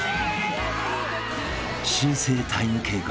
［新生タイム計画］